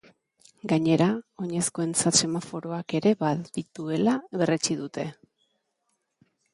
Gainera, oinezkoentzat semaforoak ere badituela berretsi dute.